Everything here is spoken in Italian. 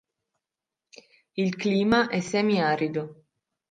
Il clima è semi arido.